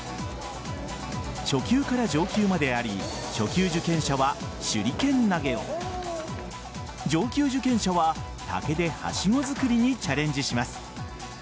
初級から上級まであり初級受験者は手裏剣投げを上級受験者は竹ではしご作りにチャレンジします。